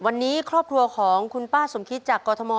วันนี้ครอบครัวของคุณป้าสมคิตจากกรทม